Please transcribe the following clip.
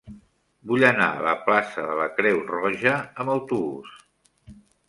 Vull anar a la plaça de la Creu Roja amb autobús.